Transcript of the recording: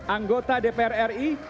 anggota dpr ri